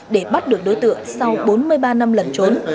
để bắt được đối tượng sau bốn mươi ba năm lần trốn